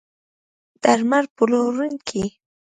درمل پلورونکي